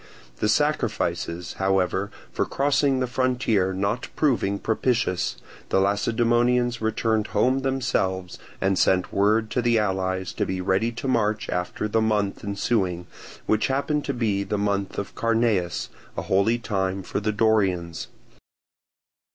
The sacrifices, however, for crossing the frontier not proving propitious, the Lacedaemonians returned home themselves, and sent word to the allies to be ready to march after the month ensuing, which happened to be the month of Carneus, a holy time for the Dorians.